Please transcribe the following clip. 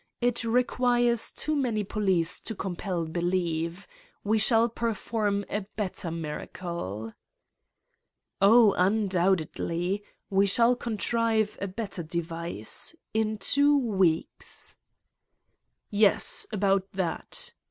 It requires too many police to compel belief. We shall perform a better miracle." 1 ' Oh, undoubtedly. We shall contrive a better device. In two weeks?" "Yes, about that!"